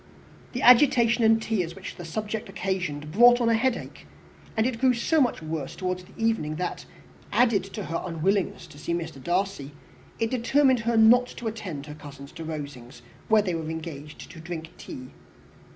The agitation and tears which the subject occasioned brought on a headache; and it grew so much worse towards the evening that, added to her unwillingness to see Mr. Darcy, it determined her not to attend her cousins to Rosings, where they were engaged to drink tea.